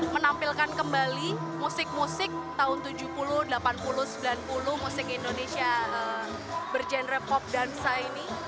menampilkan kembali musik musik tahun tujuh puluh delapan puluh sembilan puluh musik indonesia berjenre pop dansa ini